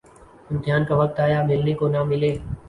امتحان کا وقت آیا‘ ملنے کو نہ ملے۔